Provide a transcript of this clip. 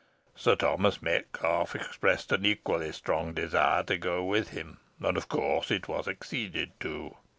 Sir Thomas Metcalfe expressed an equally strong desire to go with him, and of course it was acceded to.